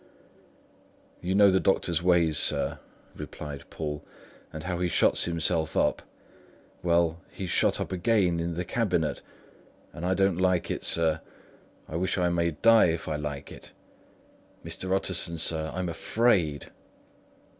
"You know the doctor's ways, sir," replied Poole, "and how he shuts himself up. Well, he's shut up again in the cabinet; and I don't like it, sir—I wish I may die if I like it. Mr. Utterson, sir, I'm afraid."